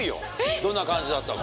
どんな感じだったか。